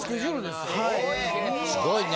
すごいね。